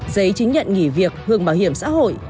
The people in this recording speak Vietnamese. giấy chứng nhận nghỉ việc hưởng bảo hiểm xã hội